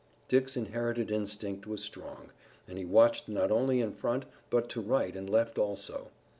Dick's inherited instinct was strong, and he watched not only in front, but to right and left also.